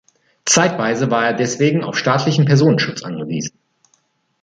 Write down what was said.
Zeitweise war er deswegen auf staatlichen Personenschutz angewiesen.